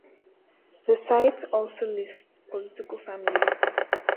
The site also lists political families.